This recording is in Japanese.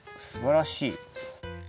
すばらしい。